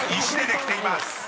石でできています］